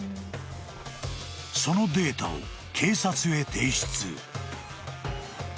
［そのデータを警察へ提出］